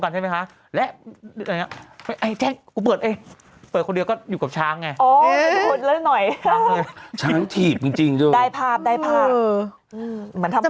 อ่าคุณแม่ฯเปิดก่อนเลยถ้าเราว่า